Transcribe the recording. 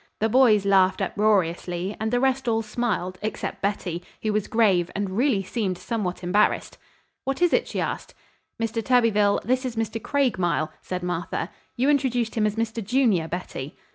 The boys laughed uproariously, and the rest all smiled, except Betty, who was grave and really seemed somewhat embarrassed. "What is it?" she asked. "Mr. Thurbyfil, this is Mr. Craigmile," said Martha. "You introduced him as Mr. Junior, Betty."